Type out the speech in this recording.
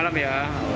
kadang malam ya